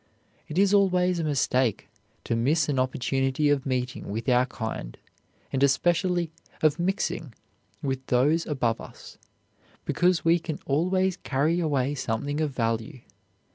It is always a mistake to miss an opportunity of meeting with our kind, and especially of mixing with those above us, because we can always carry away something of value.